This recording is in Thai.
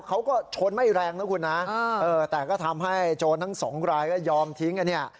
เขาก็ชนไม่แรงนะคุณนะเออแต่ก็ทำให้โจรทั้งสองรายก็ยอมทิ้งอันนี้